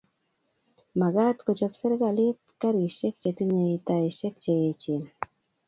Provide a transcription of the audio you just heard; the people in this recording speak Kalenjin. Magat kochob serkalit garisiek tinyei taisiek che eechen